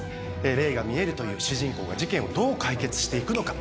霊が見えるという主人公が、事件をどう解決していくのか。